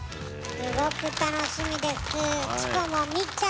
すごく楽しみです。